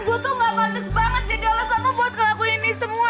gue tuh gak pantas banget jaga alasanmu buat ngelakuin ini semua